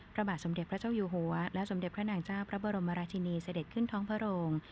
พระบาทสมเด็จพระเจ้าอยู่หัวและสมเด็จพระนางเจ้าพระบรมราชินีเสด็จขึ้นท้องพระโรง